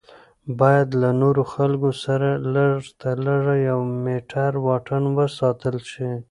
باید له نورو خلکو سره لږ تر لږه یو میټر واټن وساتل شي.